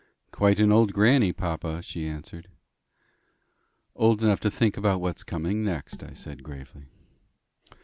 "Quite an old grannie, papa," she answered. "Old enough to think about what's coming next," I said gravely.